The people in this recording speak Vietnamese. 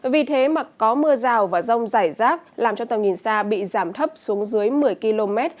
vì thế mà có mưa rào và rông rải rác làm cho tầm nhìn xa bị giảm thấp xuống dưới một mươi km